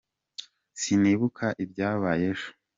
Sinibuka ibyabaye ejo.